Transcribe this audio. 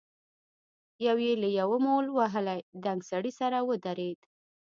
يو يې له يوه مول وهلي دنګ سړي سره ودرېد.